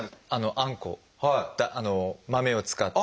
あんこ豆を使った。